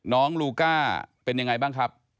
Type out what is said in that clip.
ลูก้าเป็นยังไงบ้างครับ